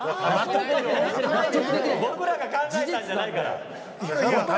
僕らが考えたんじゃないから！